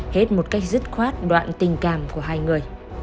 hết một cách dứt khoát đoạn tình cảm của hai người